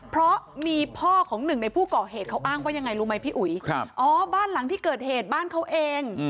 เอ้าบ้านหลังที่เกิดเหตุบ้านเขาเอง